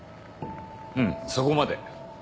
うんそこまで。